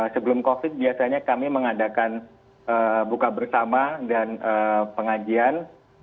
sebelum covid biasanya kami mengadakan buka bersama dan pengajian